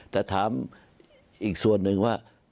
แต่ถามอีกส่วนหนึ่งว่า